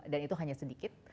dan itu hanya sedikit